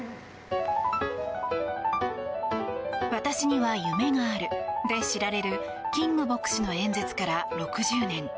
私には夢があるで知られるキング牧師の演説から６０年。